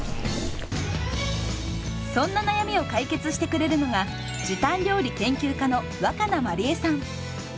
そんな悩みを解決してくれるのが時短料理研究家の若菜まりえさん。